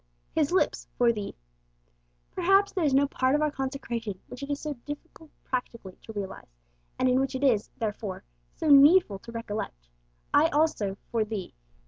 His Lips 'for thee.' Perhaps there is no part of our consecration which it is so difficult practically to realize, and in which it is, therefore, so needful to recollect? 'I also for thee.'